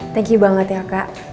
thank you banget ya kak